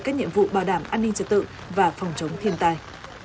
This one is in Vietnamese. các nhiệm vụ bảo đảm an ninh trật tự và phòng chống thiên tai